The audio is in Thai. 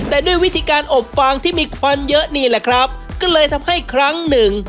แต่ด้วยวิธีการอบฟางที่มีควันเยอะนี่แหละครับก็เลยทำให้ครั้งหนึ่ง